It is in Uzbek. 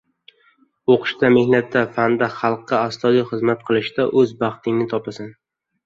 O‘qishda, mehnatda, fanda, xalqqa astoydil xizmat qilishda o‘z baxtingni topasan.